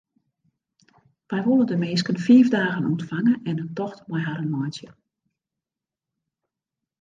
Wy wolle de minsken fiif dagen ûntfange en in tocht mei harren meitsje.